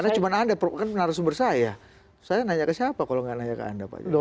karena cuma anda kan penara sumber saya saya nanya ke siapa kalau nggak nanya ke anda pak jokowi